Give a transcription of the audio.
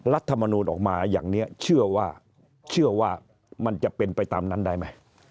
รัฐมนูลออกมาอย่างนี้เชื่อว่าเชื่อว่ามันจะเป็นไปตามนั้นได้ไหม